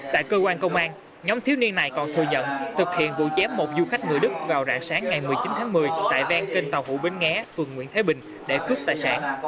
tại cơ quan công an nhóm thiếu niên này còn thừa nhận thực hiện vụ chém một du khách người đức vào rạng sáng ngày một mươi chín tháng một mươi tại ven kênh tàu vũ bến nghé phường nguyễn thế bình để cướp tài sản